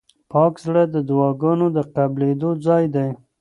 پاک زړه د دعاګانو د قبلېدو ځای دی.